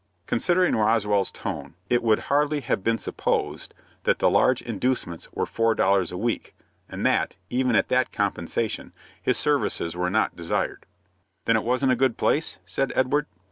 Considering Roswell's tone, it would hardly have been supposed that the large inducements were four dollars a week, and that, even at that compensation, his services were not desired. "Then it wasn't a good place?" said Edward.